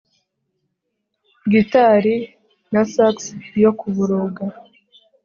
Guitari na sax yo kuboroga